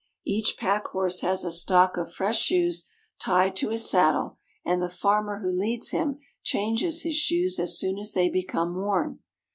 Each pack horse has a stock of fresh shoes tied to his saddle, and the farmer who leads him changes his shoes as soon as they become worn.